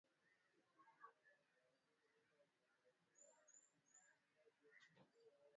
nikiripoti kutoka hapa arusha tanzania mimi ni rode